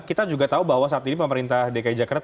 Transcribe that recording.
kita juga tahu bahwa saat ini pemerintah dki jakarta